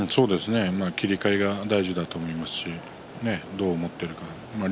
切り替えが大事だと思いますし、どう思っているか竜